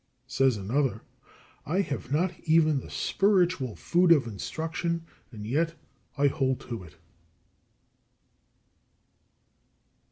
Says another, "I have not even the spiritual food of instruction, and yet I hold to it."